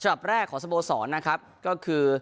แรกของสโมสรนะครับก็คือ